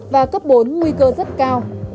và cấp bốn nguy cơ rất cao